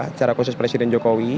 secara khusus presiden jokowi